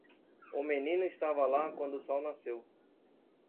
O menino estava lá quando o sol nasceu.